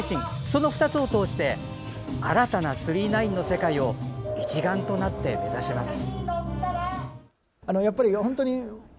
その２つを通して新たな「９９９」の世界を一丸となって目指します。